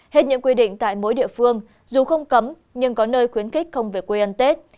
hết những quy định tại mỗi địa phương dù không cấm nhưng có nơi khuyến khích không về quê ăn tết